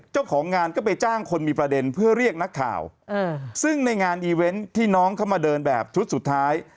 เจ้าของงานก็ไปจ้างคนมีประเด็นเพื่อเรียกนักข่าวซึ่งในงานอีเวนต์ที่น้องเข้ามาเดินแบบชุดสุดท้าย